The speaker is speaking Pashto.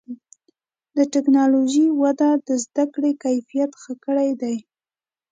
د ټکنالوجۍ وده د زدهکړې کیفیت ښه کړی دی.